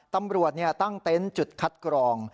ตำรวจเนี่ยตั้งเต้นจุดคัดกรอง